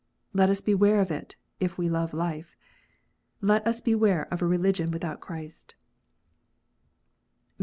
Let us beware of it, if we love life. Let us beiuare of a religion without Christ.